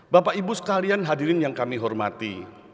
bapak ibu sekalian hadirin yang kami hormati